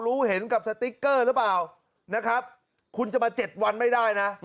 รู้เห็นกับสติ๊กเกอร์หรือเปล่านะครับคุณจะมา๗วันไม่ได้นะ